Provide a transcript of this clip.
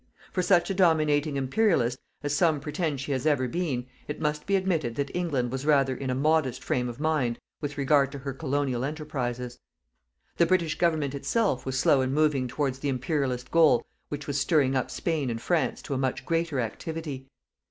For such a dominating Imperialist, as some pretend she has ever been, it must be admitted that England was rather in a modest frame of mind with regard to her colonial enterprises. The British Government itself was slow in moving towards the Imperialist goal which was stirring up Spain and France to a much greater activity.